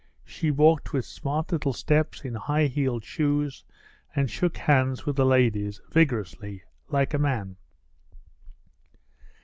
She walked with smart little steps in high heeled shoes, and shook hands with the ladies vigorously like a man.